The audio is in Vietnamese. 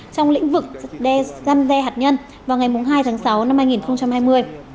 trong lĩnh vực gian dè hạt nhân vào ngày hai tháng sáu năm hai nghìn hai mươi